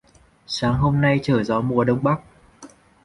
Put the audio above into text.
Sáng hôm nay trở gió mùa Đông Bắc